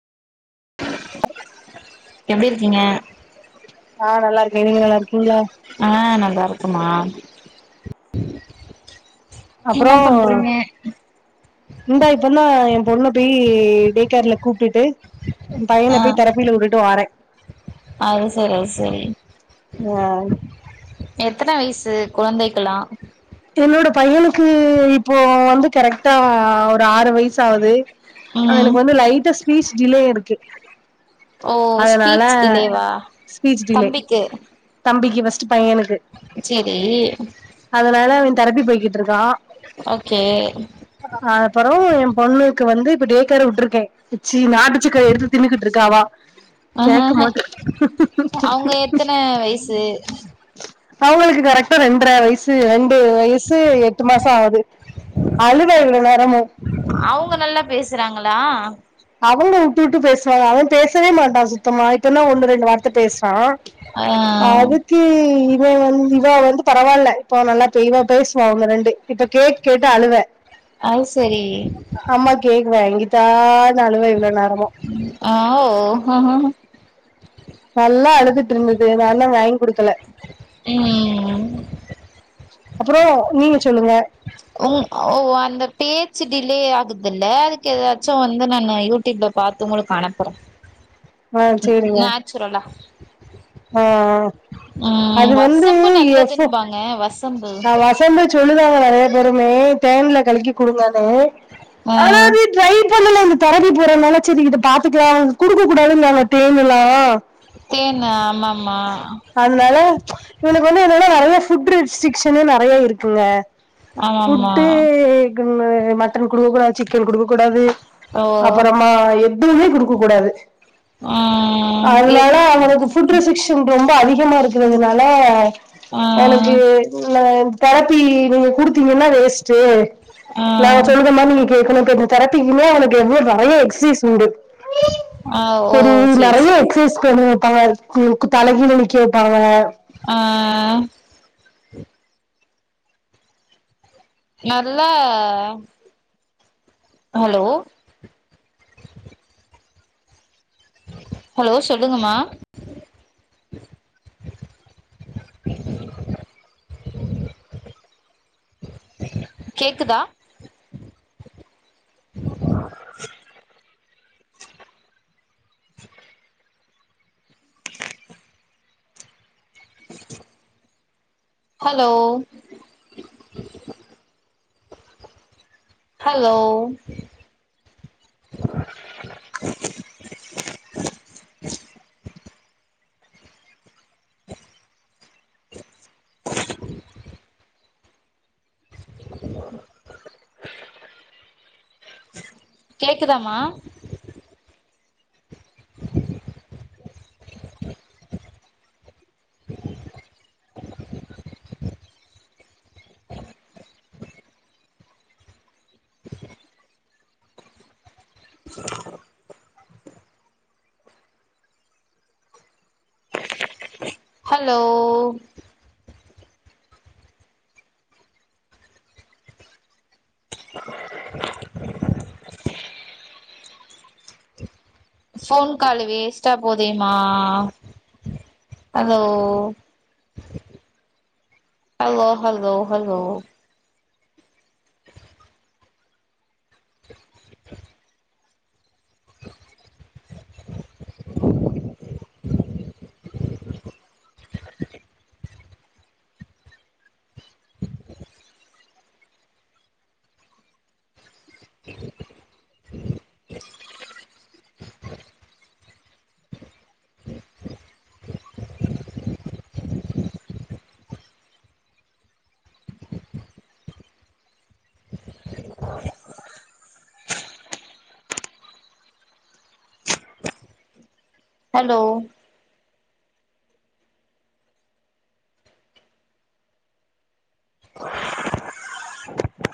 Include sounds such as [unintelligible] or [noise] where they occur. [inaudible] எப்டி இருக்கீங்க ஆ நல்லாருக்கே நீங்க நல்லாருக்கீங்களா ஆ நல்லாருக்குமா என்ன அப்புறோ பண்றீங்க இந்தா பொன்ன எ பொண்ணு போயி டேக்கேர்ல கூப்ட்டுட்டு பையனை ஆ போய் தெரப்பியில விட்டுட்டு வாரே அது சரி சரி ஆ எத்தன வயசு கொழந்தைக்ல்லா இப்பொன்னோட பையனுக்கு இப்போ வந்து கரெக்டா ஒரு ஆறு வயசு ஆவ்து ம் அவனுக்கு வந்து லைட்டா ஸ்பீச் டிலே இருக்கு ஓ அதனால ஸ்பீச் டிலேவா ஸ்பீச் டிலே தம்பிக்கு தம்பிக்கு ஃபஸ்ட்டு பையனுக்கு செரி அதனால அவ தெரப்பி போய்கிட்ருக்கா ஓகே அப்பறவு எ பொண்ணுக்கு வந்து இப்ப டே கேரே விட்ருக்கே சீ நாட்டு சக்ர எடுத்து தின்னுகிட்டு இருக்கா அவா ஆஹாஹா அவங்க எத்தன வயசு அவங்களுக்கு கரக்டா ரெண்டரை வயசு ரெண்டு வயசு எட்டு மாச ஆது அழுத இவ்ள நேரமும் அவுங்க நல்லா பேசுராங்கலா அவங்க வுட்டு வுட்டு பேசுவாங்க அவ பேசவே மாட்டா சுத்தமா இப்பன்னா ஒண்ணு ரெண் வார்த்த பேசுறா ஆ அவுத் [inaudible] இவன் வந் இவ வந்து பரவால்ல இப்ப நல்லா தெளிவா பேசுவா ஒன்னு ரெண்டு இப்ப கேக் கேட்டு அழுவ அது சரி அம்மா கேக் வாங்கிதானு அழுவ இவ்ளோ நேரமா ஆ ஓ நல்லா அழுதுட்டு இருந்துது நான்தா வாங்கி குடுக்கல ம் அப்றோ நீங்க சொல்லுங்க உ ஓ அந்த பேச்சு டிலே ஆகுதுல்ல அதுக்கு ஏதாச்சு வந்து நானு யூ ட்யூப்ல பாத்து உங்களுக்கு அனுப்புறோ ஆ சேரிங்க நேச்சுரலா ஆ ம் வசம்பு நல்லதும்பாங்க வச ஆ வசம்பு சொல்லுதாங்க நிறைய பேருமே தேன்ல கலக்கி குடுங்கனு ஆ ட்ரை பண்ணல இந்த தெரப்பி போறனால சரி இதை பாத்துக்கலா குடுக்க கூடாதுனாங்க தேனெல்லா தேன் ஆமாமா அதனால இவனக்கு வந்து என்னன்னா நெறைய ஃபுட் ரெஸ்ட்ரிக்ஷ்ன் நெறைய இருக்குங்க ஆமாமா ஃபுட்டு மட்டன் குடுக்க கூடாது சிக்கன் குடுக்க கூடாது ஓ அப்பறமா எக் எதுமே குடுக்க கூடாது ம் எ அதனால அவனுக்கு ஃபுட் ரெசிக்ஸ் ஸன் ரொம்ப அதிகமா இருக்கிறதுனால ஆ எனக்கு ந தெரப்பி நீங்க குடுத்தீங்கன்னா வேஸ்ட் டு ஆ நாங்க சொல்லுற மாரி நீங்க கேக்கணு கேக் [unintelligible] இனிமே அவனுக்கு எவ்ளோ நெறைய எக்ஸ்சிஸ் உண்டு ஆ ஓ ஒரு சேரி நெறைய சேரி எக்சைஸ் பண்ண [unintelligible] குக் தலகீழ நிக்க வெப்பாங்க ஆ நல்லா ஹலோ ஹலோ சொல்லுங்கமா கேக்குதா ஹலோ ஹலோ கேக்குதாமா ஹலோ ஃபோன் கால் வேஸ்டா போதேமா hello hello hello hello hello